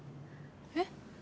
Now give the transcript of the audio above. えっ？